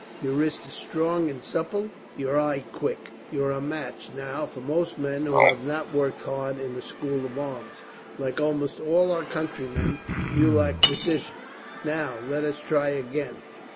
Your wrist is strong and supple, your eye quick. You are a match, now, for most men who have not worked hard in a school of arms. Like almost all our countrymen, you lack precision. Now, let us try again."